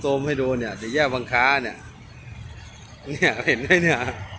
โซมให้ดูเนี่ยที่แย่วบังค้าเนี่ย